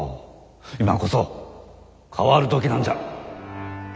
今こそ変わる時なんじゃ。